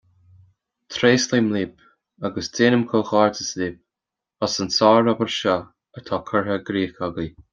Treaslaím libh agus déanaim comhghairdeas libh as an sár-obair seo atá curtha i gcrích agaibh.